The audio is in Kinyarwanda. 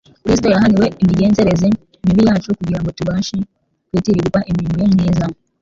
Kristo yahaniwe imigenzereze mibi yacu kugira ngo tubashe kwitirirwa imirimo ye myiza.